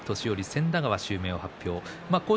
千田川襲名を発表。